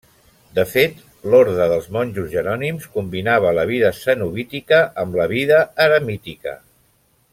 De fet l’orde dels monjos jerònims combinava la vida cenobítica amb la vida eremítica.